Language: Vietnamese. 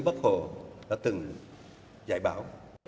chính phủ đã từng giải báo